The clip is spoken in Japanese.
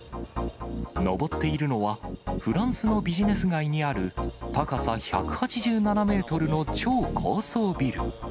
登っているのは、フランスのビジネス街にある、高さ１８７メートルの超高層ビル。